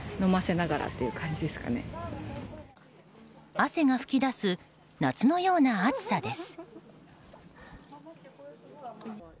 汗が噴き出す夏のような暑さです。